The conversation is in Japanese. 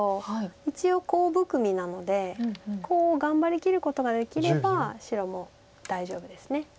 一応コウ含みなのでコウを頑張りきることができれば白も大丈夫です。